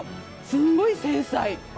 すごい繊細。